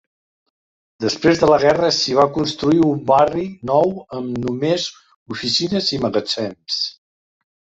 Després de la guerra s'hi va construir un barri nou amb només oficines i magatzems.